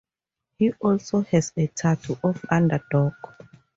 He also has a tattoo of Underdog.